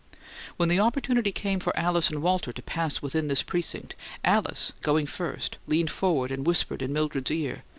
When the opportunity came for Alice and Walter to pass within this precinct, Alice, going first, leaned forward and whispered in Mildred's ear.